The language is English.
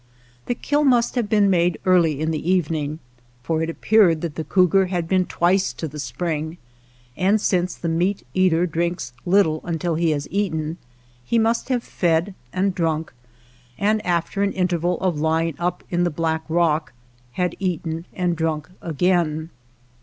The kill must have been made early in the evening, for it appeared that the cougar had been twice to the spring ; and since the meat eater drinks little until he has eaten, he must have fed and drunk, and after an interval of lying up in the black rock, had eaten and drunk 36 WATER TRAILS OF THE CERISO again.